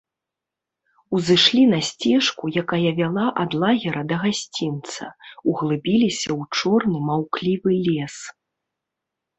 Узышлі на сцежку, якая вяла ад лагера да гасцінца, углыбіліся ў чорны маўклівы лес.